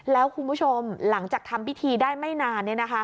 แล้วคุณผู้ชมหลังจากทำพิธีได้ไม่นาน